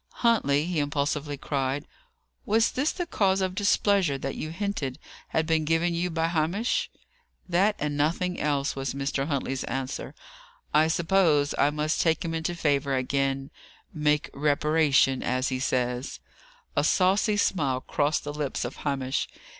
"Huntley," he impulsively cried, "was this the cause of displeasure that you hinted had been given you by Hamish?" "That, and nothing else," was Mr. Huntley's answer. "I suppose I must take him into favour again 'make reparation,' as he says." A saucy smile crossed the lips of Hamish.